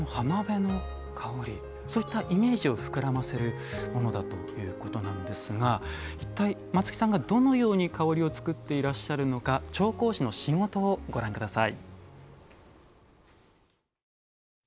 そういったイメージを膨らませるものということですが一体、松木さんがどのように香りを作っていらっしゃるのか調香師の仕事をご覧ください。